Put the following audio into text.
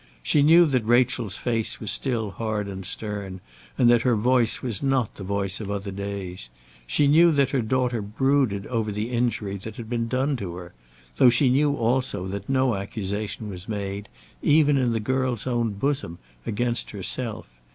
She knew that Rachel's face was still hard and stern, and that her voice was not the voice of other days. She knew that her daughter brooded over the injury that had been done to her, though she knew also that no accusation was made, even in the girl's own bosom, against herself.